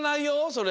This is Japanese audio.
それ。